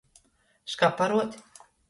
Škaparuot.